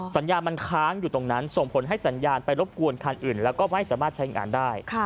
สัญญาณมันค้างอยู่ตรงนั้นส่งผลให้สัญญาณไปรบกวนคันอื่นแล้วก็ไม่สามารถใช้งานได้